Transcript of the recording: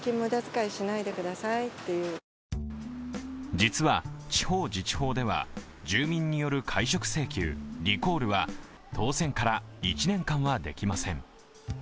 実は地方自治法では住民による解職請求＝リコールは議員就任から１年間はできません